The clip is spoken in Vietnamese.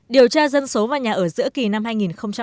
điều tra dân số và nhà ở giữa kỳ năm hai nghìn hai mươi bốn